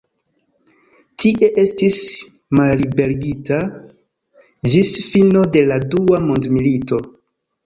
Tie estis malliberigita ĝis fino de la dua mondmilito.